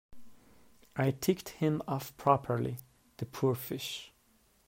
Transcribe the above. I ticked him off properly, the poor fish.